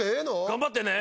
頑張ってね。